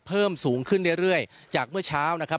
เพิ่มสูงขึ้นเรื่อยเรื่อยจากเมื่อเช้านะครับ